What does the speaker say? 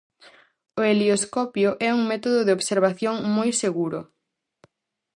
O helioscopio é un método de observación moi seguro.